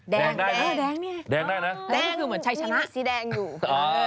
แดงแน่นะ